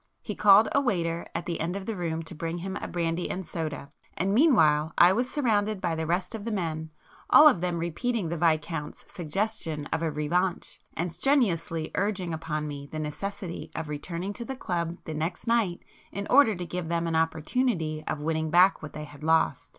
He called a waiter at the end of the room to bring him a brandy and soda, and meanwhile I was surrounded by the rest of the men, all of them repeating the Viscount's suggestion of a 'revanche,' and strenuously urging upon me the necessity of returning to the club the next night in order to give them an opportunity of winning back what they had lost.